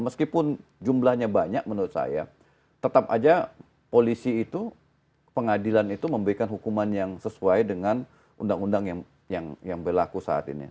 meskipun jumlahnya banyak menurut saya tetap aja polisi itu pengadilan itu memberikan hukuman yang sesuai dengan undang undang yang berlaku saat ini